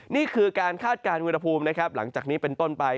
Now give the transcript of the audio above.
นี่คือการคาดการณ์อุณหภูมินะครับหลังจากนี้เป็นต้นไป